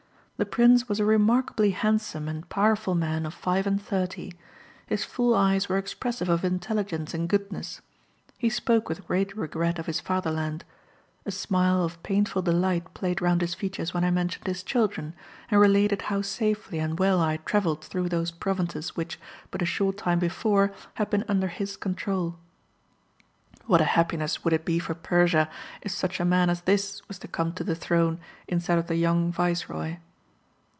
The prince was a remarkably handsome and powerful man of five and thirty; his full eyes were expressive of intelligence and goodness. He spoke with great regret of his fatherland; a smile of painful delight played round his features when I mentioned his children, and related how safely and well I had travelled through those provinces which, but a short time before, had been under his control. What a happiness would it be for Persia if such a man as this was to come to the throne instead of the young viceroy.